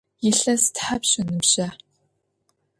Илъэс тхьапш ыныбжьа?